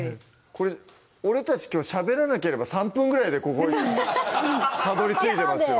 これ俺たちきょうしゃべらなければ３分ぐらいでここにたどり着いてますよね